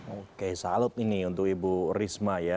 oke salut ini untuk ibu risma ya